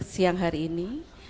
siang hari ini